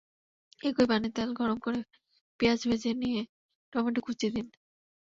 একই প্যানে তেল গরম করে পেঁয়াজ ভেজে নিয়ে টমেটো কুচি দিন।